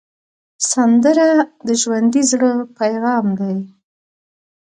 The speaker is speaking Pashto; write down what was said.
سندره د ژوندي زړه پیغام دی